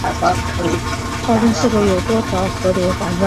高墩四周有多条河流环绕。